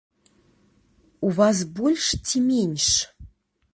У вас больш ці менш?